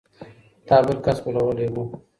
تا بل کس غولولی و.